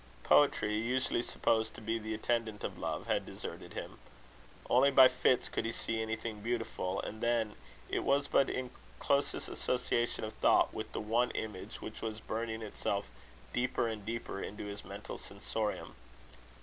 Poetry, usually supposed to be the attendant of love, had deserted him. Only by fits could he see anything beautiful; and then it was but in closest association of thought with the one image which was burning itself deeper and deeper into his mental sensorium.